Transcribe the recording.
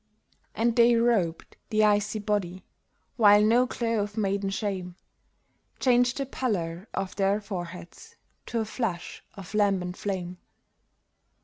And they robed the icy body, while no glow of maiden shame Changed the pallor of their foreheads to a flush of lambent flame.